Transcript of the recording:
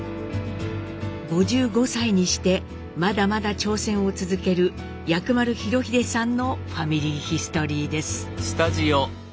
５５歳にしてまだまだ挑戦を続ける薬丸裕英さんの「ファミリーヒストリー」です。